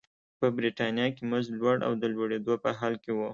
په برېټانیا کې مزد لوړ او د لوړېدو په حال کې و.